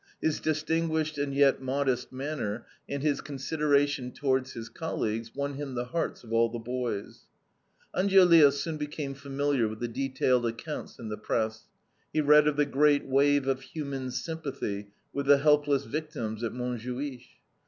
His distinguished and yet modest manner, and his consideration towards his colleagues, won him the hearts of all the boys." Angiolillo soon became familiar with the detailed accounts in the press. He read of the great wave of human sympathy with the helpless victims at Montjuich.